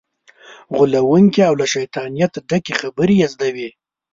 غولونکې او له شیطانت ډکې خبرې یې زده وي.